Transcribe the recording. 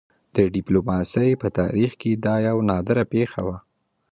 د ډيپلوماسۍ په تاریخ کې دا یوه نادره پېښه وه.